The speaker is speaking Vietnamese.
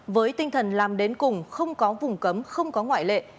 với tinh thần làm đến cùng không có vùng cấm không có ngoại lệ